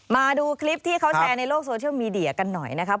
มาดูคลิปที่เขาแชร์ในโลกโซเชียลมีเดียกันหน่อยนะครับ